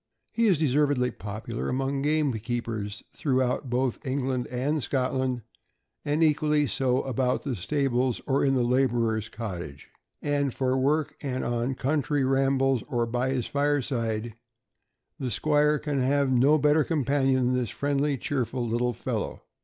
He is deservedly popular among gamekeepers through out both England and Scotland, and equally so about the stables or in the laborer's cottage. And for work, and on country rambles, or by his fireside, the squire can have no better companion than this friendly, cheerful, little fellow.